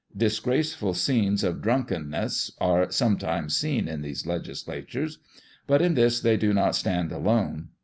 Disgraceful scenes of drunkenness are some times seen in these legislatures, but in this they do not stand alone.